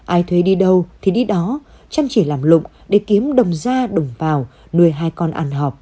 ai thuê đi đâu thì đi đó chăm chỉ làm lụng để kiếm đồng ra đồng vào nuôi hai con ăn học